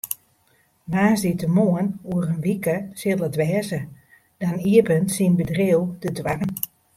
Woansdeitemoarn oer in wike sil it wêze, dan iepenet syn bedriuw de doarren.